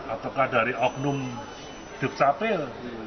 atau dari oknum dukcapil